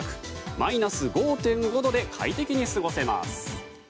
マイナス５．５度で快適に過ごせます。